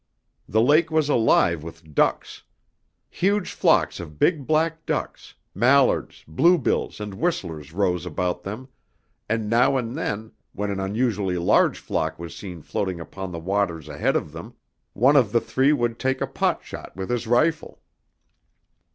The lake was alive with ducks. Huge flocks of big black ducks, mallards, blue bills and whistlers rose about them, and now and then, when an unusually large flock was seen floating upon the water ahead of them, one of the three would take a pot shot with his rifle.